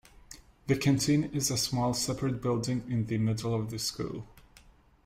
The canteen is a small, separate building in the middle of the school.